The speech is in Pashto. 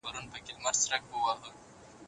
عصري کرنه د وخت اړتیا ده.